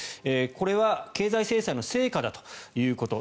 これは経済制裁の成果だということ。